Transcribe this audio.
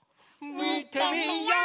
みてみよう！